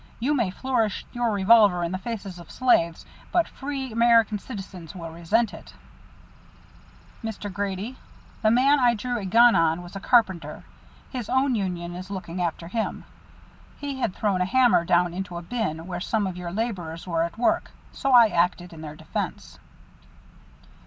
You may flourish your revolver in the faces of slaves, but free American citizens will resent it " "Mr. Grady, the man I drew a gun on was a carpenter. His own union is looking after him. He had thrown a hammer down into a bin where some of your laborers were at work, so I acted in their defence."